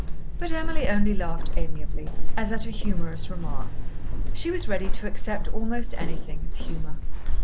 But Emily only laughed amiably, as at a humorous remark. She was ready to accept almost anything as humour.